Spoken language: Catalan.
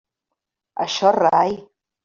Això rai.